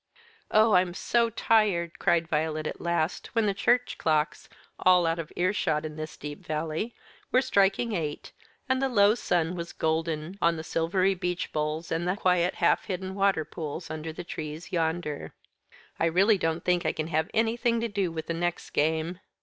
"Oh, I am so tired," cried Violet at last, when church clocks all out of earshot in this deep valley were striking eight, and the low sun was golden on the silvery beech boles, and the quiet half hidden water pools under the trees yonder; "I really don't think I can have anything to do with the next game."